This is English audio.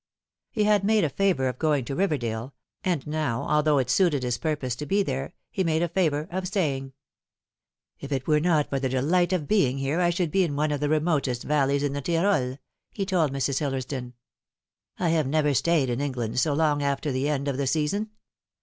He had made a favour of going to Riverdale ; and now, although it suited his purpose to be there, he made a favour of stay ing. " If it were not for the delight of being here, I should be in one of the remotest valleys in the Tyrol," he told Mrs. Hillers don. " I have never stayed in England so long after the end of the season.